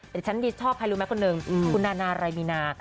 แต่ฉันที่ชอบใครรู้มั้ยคนนึงคุณนานาไรมีนา